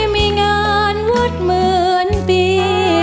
มีงานวัดเหมือนปี